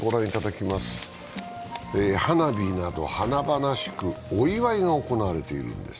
花火など華々しく、お祝いが行われているんです。